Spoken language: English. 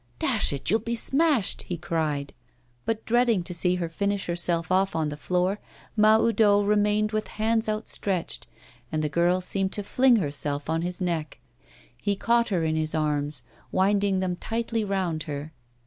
'Dash it! you'll be smashed!' he cried. But dreading to see her finish herself off on the floor, Mahoudeau remained with hands outstretched. And the girl seemed to fling herself on his neck. He caught her in his arms, winding them tightly around her.